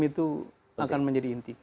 itu akan menjadi inti